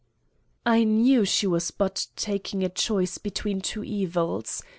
I knew she was but taking a choice between two evils.